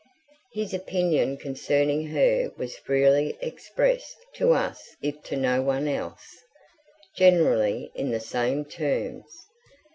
His opinion concerning her was freely expressed to us if to no one else, generally in the same terms.